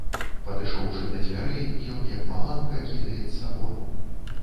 Падышоўшы да дзвярэй, ён, як маланка, кідаецца вон.